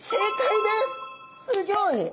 すギョい。